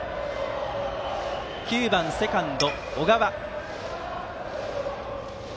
９番、セカンド小川。